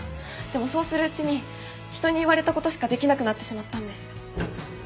でもそうするうちに人に言われた事しかできなくなってしまったんです。